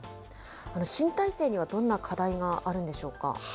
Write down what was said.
新体制にはどんな課題があるんでしょうか。